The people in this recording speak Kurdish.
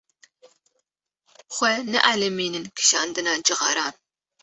Xwe neelîmînin kişandina cixaran.